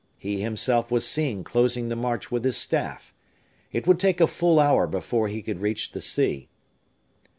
He himself was seen closing the march with his staff it would take a full hour before he could reach the sea.